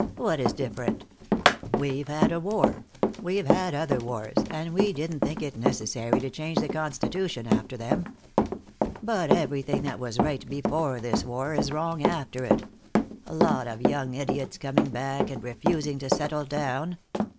What is different? We've had a war. We've had other wars, and we didn't think it necessary to change the Constitution after them. But everything that was right before this war is wrong after it. Lot of young idiots coming back and refusing to settle down.